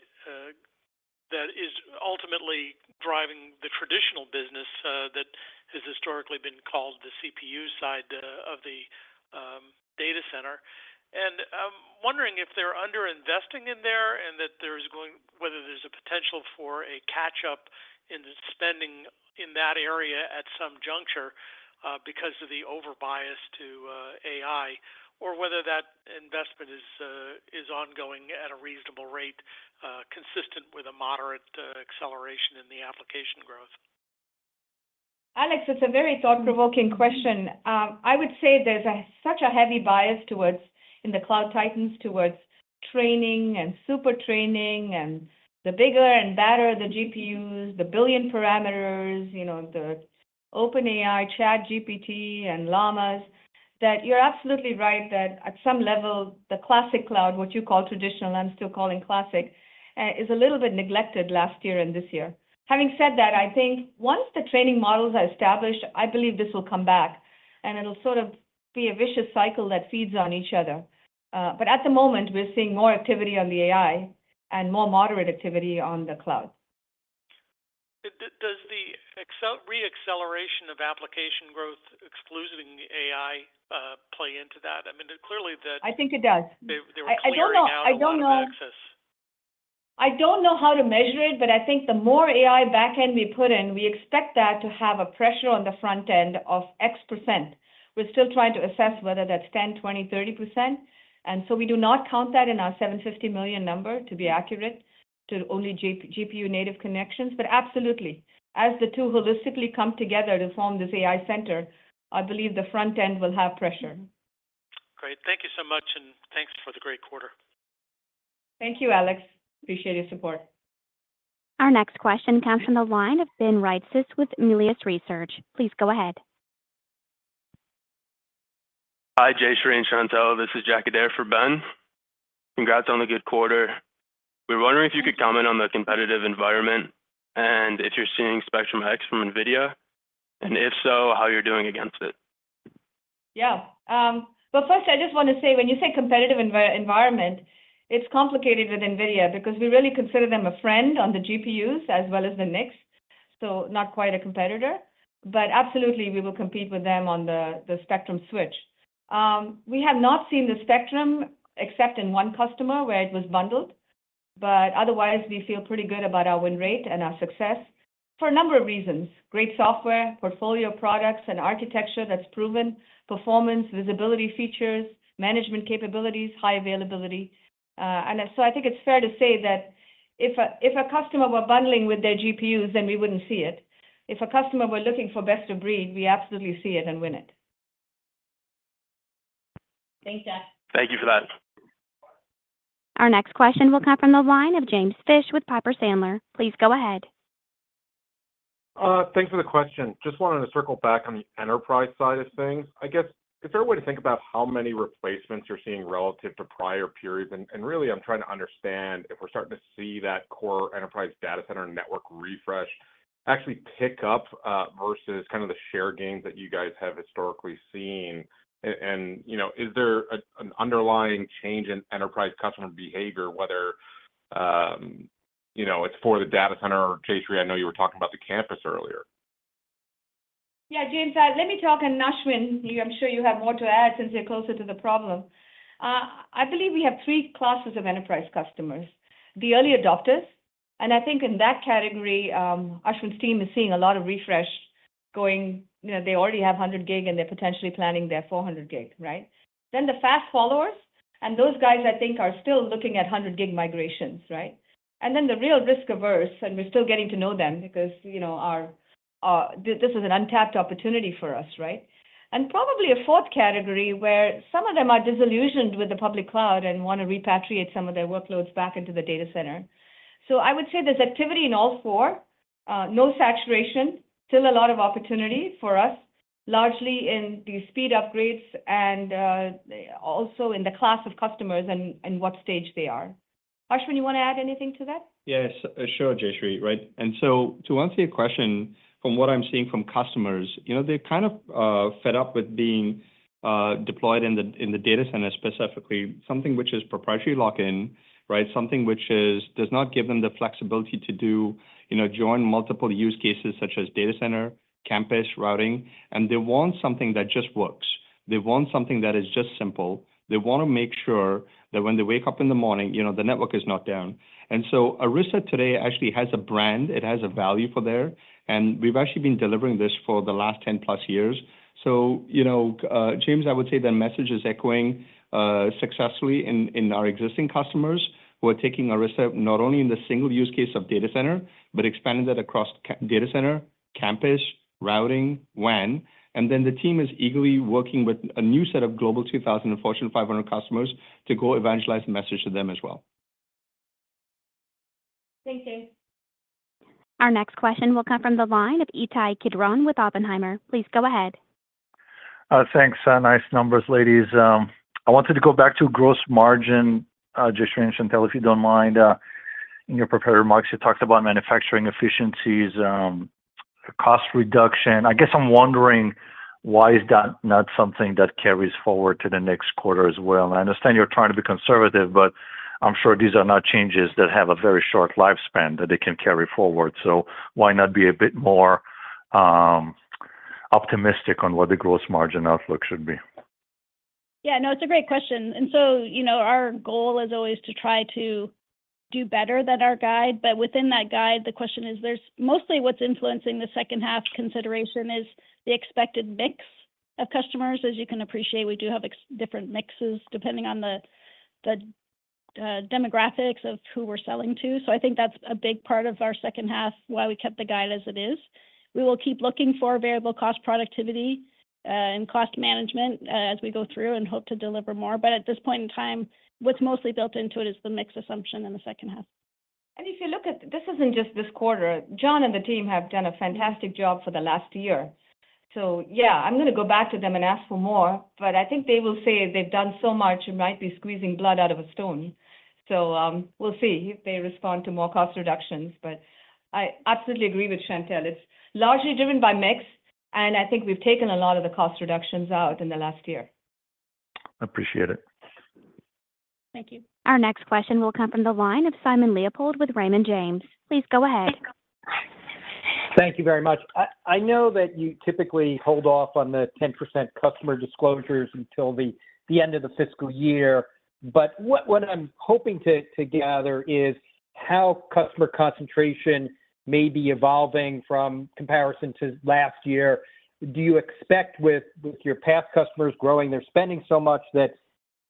that is ultimately driving the traditional business that has historically been called the CPU side of the data center. And I'm wondering if they're under-investing in there, and that there's going whether there's a potential for a catch-up in the spending in that area at some juncture because of the over-bias to AI, or whether that investment is ongoing at a reasonable rate consistent with a moderate acceleration in the application growth. Alex, it's a very thought-provoking question. I would say there's a such a heavy bias towards... in the cloud titans, towards training and super training, and the bigger and better the GPUs, the billion parameters, you know, the OpenAI, ChatGPT, and Llamas, that you're absolutely right, that at some level, the classic cloud, what you call traditional, I'm still calling classic, is a little bit neglected last year and this year. Having said that, I think once the training models are established, I believe this will come back, and it'll sort of be a vicious cycle that feeds on each other. But at the moment, we're seeing more activity on the AI and more moderate activity on the cloud. Does the reacceleration of application growth, excluding the AI, play into that? I mean, clearly, the- I think it does. They were clearing out- I don't know, I don't know-... a lot of access. I don't know how to measure it, but I think the more AI back end we put in, we expect that to have a pressure on the front end of X%. We're still trying to assess whether that's 10%, 20%, 30%, and so we do not count that in our $750 million number to be accurate to only GPU native connections. But absolutely, as the two holistically come together to form this AI center, I believe the front end will have pressure. Great. Thank you so much, and thanks for the great quarter. Thank you, Alex. Appreciate your support. Our next question comes from the line of Ben Reitzes with Melius Research. Please go ahead. Hi, Jayshree and Chantelle. This is Jack Adair for Ben. Congrats on the good quarter. We were wondering if you could comment on the competitive environment and if you're seeing Spectrum-X from NVIDIA, and if so, how you're doing against it? Yeah. But first, I just want to say, when you say competitive environment, it's complicated with NVIDIA because we really consider them a friend on the GPUs as well as the NICs, so not quite a competitor. But absolutely, we will compete with them on the Spectrum switch. We have not seen the Spectrum except in one customer where it was bundled, but otherwise, we feel pretty good about our win rate and our success for a number of reasons: great software, portfolio of products and architecture that's proven, performance, visibility features, management capabilities, high availability. And so I think it's fair to say that if a customer were bundling with their GPUs, then we wouldn't see it. If a customer were looking for best of breed, we absolutely see it and win it. Thanks, Jack. Thank you for that. Our next question will come from the line of James Fish with Piper Sandler. Please go ahead. Thanks for the question. Just wanted to circle back on the enterprise side of things. I guess, is there a way to think about how many replacements you're seeing relative to prior periods? And really, I'm trying to understand if we're starting to see that core enterprise data center and network refresh actually pick up, versus kind of the share gains that you guys have historically seen. And, you know, is there a, an underlying change in enterprise customer behavior, whether, you know, it's for the data center or, Jayshree, I know you were talking about the campus earlier? ... Yeah, James, let me talk, and Ashwin, you, I'm sure you have more to add since you're closer to the problem. I believe we have three classes of enterprise customers. The early adopters, and I think in that category, Ashwin's team is seeing a lot of refresh going, you know, they already have 100 gig, and they're potentially planning their 400 gig, right? Then the fast followers, and those guys, I think, are still looking at 100 gig migrations, right? And then the real risk averse, and we're still getting to know them because, you know, our, this is an untapped opportunity for us, right? And probably a fourth category where some of them are disillusioned with the public cloud and wanna repatriate some of their workloads back into the data center. So I would say there's activity in all four, no saturation, still a lot of opportunity for us, largely in the speed upgrades and, also in the class of customers and, and what stage they are. Ashwin, you wanna add anything to that? Yes, sure, Jayshree, right. And so to answer your question, from what I'm seeing from customers, you know, they're kind of, fed up with being, deployed in the, in the data center, specifically, something which is proprietary lock-in, right? Something which is- does not give them the flexibility to do, you know, join multiple use cases such as data center, campus, routing, and they want something that just works. They want something that is just simple. They wanna make sure that when they wake up in the morning, you know, the network is not down. And so Arista today actually has a brand, it has a value prop there, and we've actually been delivering this for the last 10+ years. So, you know, James, I would say that message is echoing successfully in our existing customers who are taking Arista not only in the single use case of data center, but expanding that across data center, campus, routing, WAN. And then the team is eagerly working with a new set of Global 2000 Fortune 500 customers to go evangelize the message to them as well. Thanks, James. Our next question will come from the line of Itay Kidron with Oppenheimer. Please go ahead. Thanks. Nice numbers, ladies. I wanted to go back to gross margin, Jayshree and Chantelle, if you don't mind. In your prepared remarks, you talked about manufacturing efficiencies, cost reduction. I guess I'm wondering, why is that not something that carries forward to the next quarter as well? I understand you're trying to be conservative, but I'm sure these are not changes that have a very short lifespan, that they can carry forward. So why not be a bit more optimistic on what the gross margin outlook should be? Yeah, no, it's a great question. And so, you know, our goal is always to try to do better than our guide, but within that guide, the question is, there's... Mostly what's influencing the second half consideration is the expected mix of customers. As you can appreciate, we do have different mixes depending on the demographics of who we're selling to. So I think that's a big part of our second half, why we kept the guide as it is. We will keep looking for variable cost productivity, and cost management, as we go through and hope to deliver more. But at this point in time, what's mostly built into it is the mix assumption in the second half. If you look at, this isn't just this quarter, John and the team have done a fantastic job for the last year. So yeah, I'm gonna go back to them and ask for more, but I think they will say they've done so much, it might be squeezing blood out of a stone. So, we'll see if they respond to more cost reductions. But I absolutely agree with Chantelle. It's largely driven by mix, and I think we've taken a lot of the cost reductions out in the last year. Appreciate it. Thank you. Our next question will come from the line of Simon Leopold with Raymond James. Please go ahead. Thank you very much. I know that you typically hold off on the 10% customer disclosures until the end of the fiscal year, but what I'm hoping to gather is how customer concentration may be evolving from comparison to last year. Do you expect with your past customers growing, they're spending so much that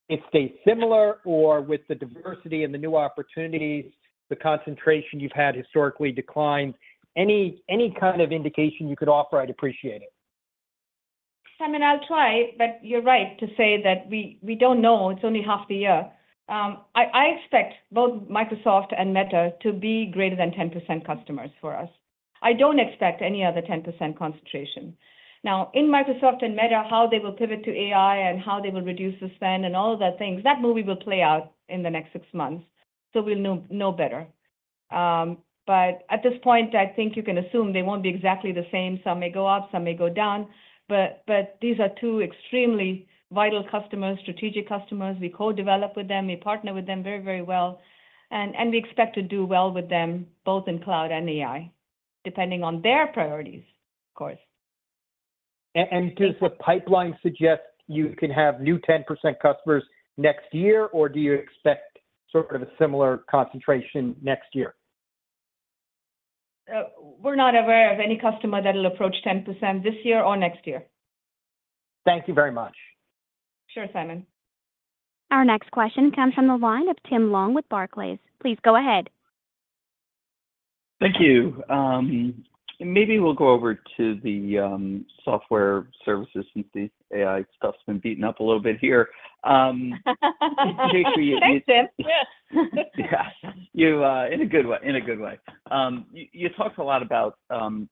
it stays similar, or with the diversity and the new opportunities, the concentration you've had historically decline? Any kind of indication you could offer, I'd appreciate it. Simon, I'll try, but you're right to say that we don't know. It's only half the year. I expect both Microsoft and Meta to be greater than 10% customers for us. I don't expect any other 10% concentration. Now, in Microsoft and Meta, how they will pivot to AI and how they will reduce the spend and all of those things, that movie will play out in the next six months, so we'll know better. But at this point, I think you can assume they won't be exactly the same. Some may go up, some may go down, but these are two extremely vital customers, strategic customers. We co-develop with them, we partner with them very, very well, and we expect to do well with them, both in cloud and AI, depending on their priorities, of course. Does the pipeline suggest you can have new 10% customers next year, or do you expect sort of a similar concentration next year? We're not aware of any customer that will approach 10% this year or next year. Thank you very much. Sure, Simon. Our next question comes from the line of Tim Long with Barclays. Please go ahead. Thank you. Maybe we'll go over to the software services since the AI stuff's been beaten up a little bit here. Thanks, Tim. Yeah. Yeah. You, in a good way, in a good way. You talked a lot about,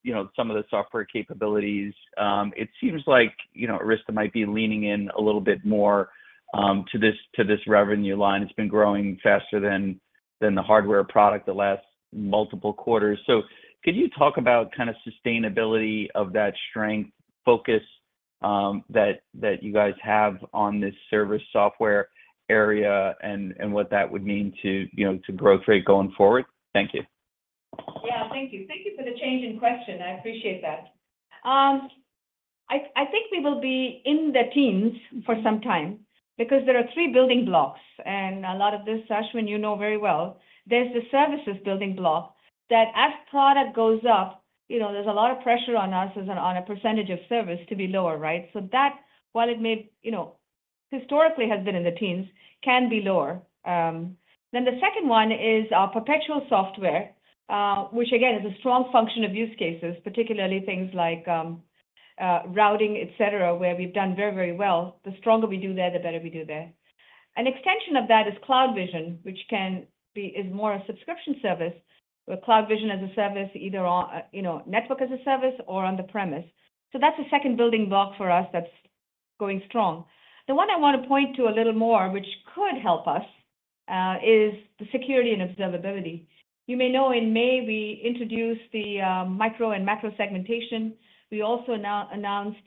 you know, some of the software capabilities. It seems like, you know, Arista might be leaning in a little bit more, to this revenue line. It's been growing faster than the hardware product the last multiple quarters. So could you talk about kind of sustainability of that strength, focus? That you guys have on this service software area and what that would mean to, you know, to growth rate going forward? Thank you. Yeah, thank you. Thank you for the change in question, I appreciate that. I think we will be in the teens for some time because there are three building blocks, and a lot of this, Ashwin, you know very well. There's the services building block, that as product goes up, you know, there's a lot of pressure on us as on a percentage of service to be lower, right? So that, while it may, you know, historically has been in the teens, can be lower. Then the second one is our perpetual software, which again, is a strong function of use cases, particularly things like, routing, et cetera, where we've done very, very well. The stronger we do there, the better we do there. An extension of that is CloudVision, which can be... is more a subscription service, where CloudVision as a service, either on, you know, network as a service or on -premise. So that's the second building block for us that's going strong. The one I want to point to a little more, which could help us, is the security and observability. You may know in May we introduced the micro and macro segmentation. We also now announced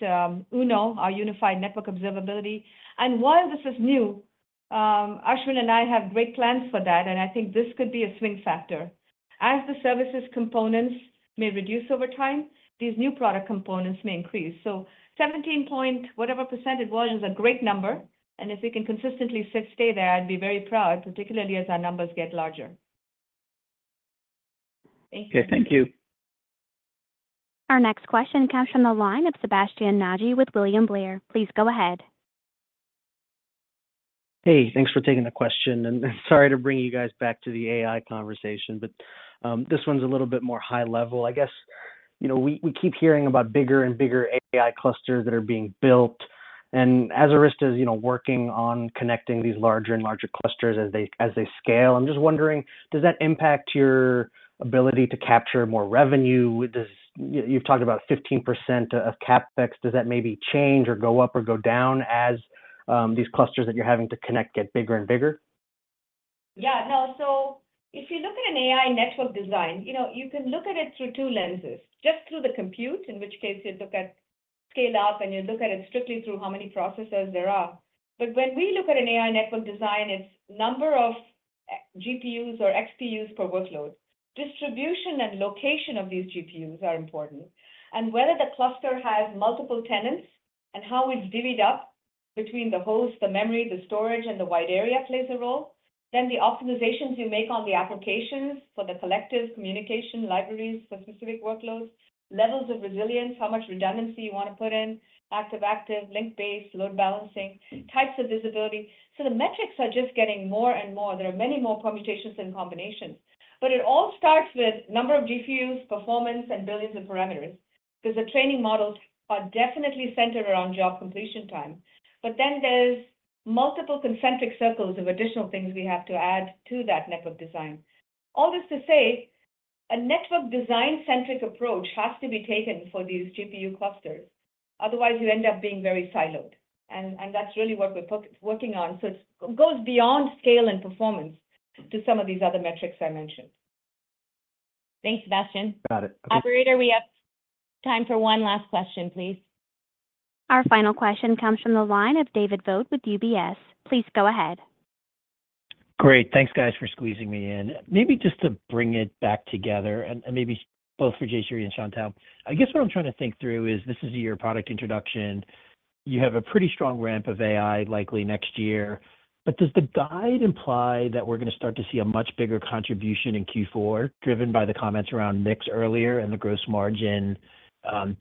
UNO, our unified network observability. And while this is new, Ashwin and I have great plans for that, and I think this could be a swing factor. As the services components may reduce over time, these new product components may increase. So 17% whatever it was is a great number, and if we can consistently stay there, I'd be very proud, particularly as our numbers get larger. Thank you. Okay, thank you. Our next question comes from the line of Sebastien Naji with William Blair. Please go ahead. Hey, thanks for taking the question, and sorry to bring you guys back to the AI conversation, but this one's a little bit more high level. I guess, you know, we, we keep hearing about bigger and bigger AI clusters that are being built, and as Arista's, you know, working on connecting these larger and larger clusters as they, as they scale, I'm just wondering, does that impact your ability to capture more revenue? Does... You've talked about 15% of CapEx, does that maybe change or go up or go down as these clusters that you're having to connect get bigger and bigger? Yeah, no. So if you look at an AI network design, you know, you can look at it through two lenses. Just through the compute, in which case you look at scale up, and you look at it strictly through how many processors there are. But when we look at an AI network design, it's number of GPUs or XPUs per workload. Distribution and location of these GPUs are important, and whether the cluster has multiple tenants, and how it's divvied up between the host, the memory, the storage, and the wide area plays a role. Then the optimizations you make on the applications for the collective communication libraries for specific workloads, levels of resilience, how much redundancy you want to put in, active- active link -based load balancing, types of visibility. So the metrics are just getting more and more. There are many more permutations and combinations. But it all starts with number of GPUs, performance, and billions of parameters, 'cause the training models are definitely centered around job completion time. But then there's multiple concentric circles of additional things we have to add to that network design. All this to say, a network design-centric approach has to be taken for these GPU clusters, otherwise you end up being very siloed, and that's really what we're working on. So it goes beyond scale and performance to some of these other metrics I mentioned. Thanks, Sebastien. Got it. Operator, we have time for one last question, please. Our final question comes from the line of David Vogt with UBS. Please go ahead. Great. Thanks, guys, for squeezing me in. Maybe just to bring it back together, and maybe both for Jayshree and Chantelle, I guess what I'm trying to think through is, this is your product introduction. You have a pretty strong ramp of AI likely next year, but does the guide imply that we're going to start to see a much bigger contribution in Q4, driven by the comments around mix earlier and the gross margin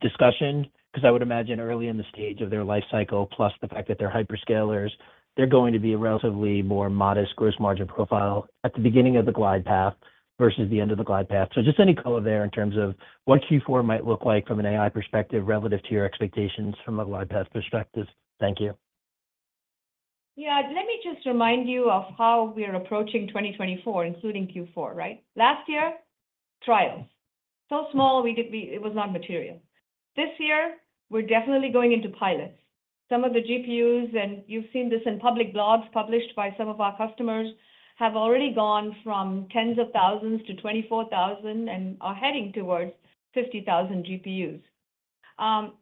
discussion? Because I would imagine early in the stage of their life cycle, plus the fact that they're hyperscalers, they're going to be a relatively more modest gross margin profile at the beginning of the glide path versus the end of the glide path. So just any color there in terms of what Q4 might look like from an AI perspective relative to your expectations from a glide path perspective. Thank you. Yeah. Let me just remind you of how we are approaching 2024, including Q4, right? Last year, trials so small it was not material. This year, we're definitely going into pilots. Some of the GPUs, and you've seen this in public blogs published by some of our customers, have already gone from tens of thousands to 24,000 and are heading towards 50,000 GPUs.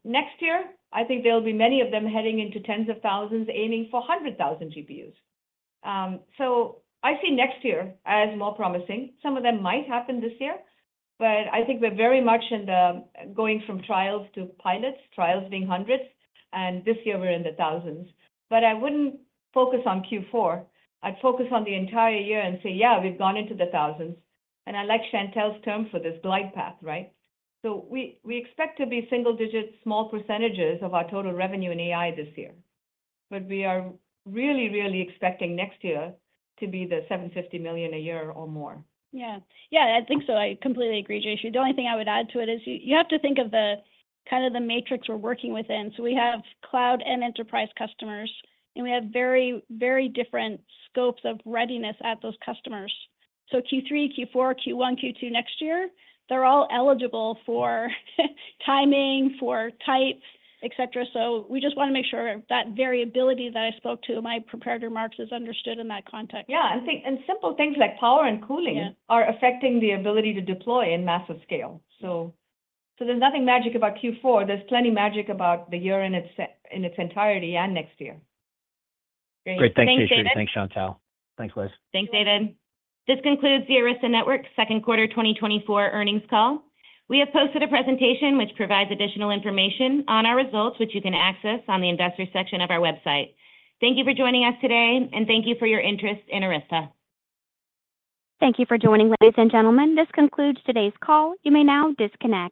Next year, I think there'll be many of them heading into tens of thousands, aiming for 100,000 GPUs. So I see next year as more promising. Some of them might happen this year, but I think we're very much in the going from trials to pilots, trials being hundreds, and this year we're in the thousands. But I wouldn't focus on Q4. I'd focus on the entire year and say, "Yeah, we've gone into the thousands." I like Chantelle's term for this, glide path, right? So we, we expect to be single-digit, small percentages of our total revenue in AI this year, but we are really, really expecting next year to be the $750 million a year or more. Yeah. Yeah, I think so. I completely agree, Jayshree. The only thing I would add to it is you have to think of the kind of the matrix we're working within. So we have cloud and enterprise customers, and we have very, very different scopes of readiness at those customers. So Q3, Q4, Q1, Q2 next year, they're all eligible for timing, for types, et cetera. So we just want to make sure that variability that I spoke to in my prepared remarks is understood in that context. Yeah, simple things like power and cooling- Yeah... are affecting the ability to deploy in massive scale. So, so there's nothing magic about Q4. There's plenty of magic about the year in its entirety and next year. Great. Great. Thanks, Jayshree. Thanks, David. Thanks, Chantelle. Thanks, Liz. Thanks, David. This concludes the Arista Networks second quarter 2024 earnings call. We have posted a presentation which provides additional information on our results, which you can access on the Investors section of our website. Thank you for joining us today, and thank you for your interest in Arista. Thank you for joining, ladies and gentlemen. This concludes today's call. You may now disconnect.